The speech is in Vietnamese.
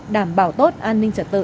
đảm bảo tốt an ninh trả tự